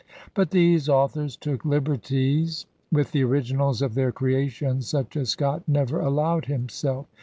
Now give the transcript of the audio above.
But these authors took Uberties with the originals of their creations such as Scott never allowed himself.